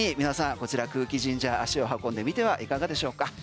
こちら空気神社に足を運んでみてはいかがでしょうか？